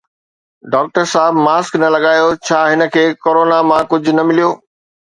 Doctor صاحب mask نه لڳايو، ڇا هن کي ڪرونا مان ڪجهه نه مليو؟